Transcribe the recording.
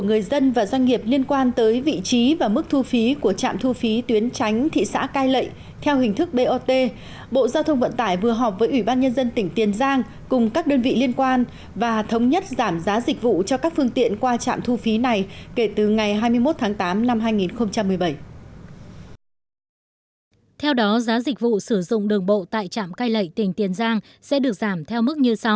giảm giá dịch vụ cho tất cả các phương tiện qua trạm